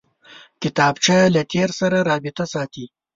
کتابچه له تېر سره رابطه ساتي